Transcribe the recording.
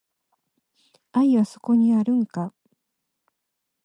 愛はそこにあるんか